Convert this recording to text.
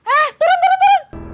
eh turun turun turun